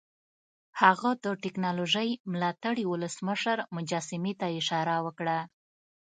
هغه د ټیکنالوژۍ ملاتړي ولسمشر مجسمې ته اشاره وکړه